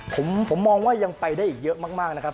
ผมมองว่ายังไปได้อีกเยอะมากนะครับ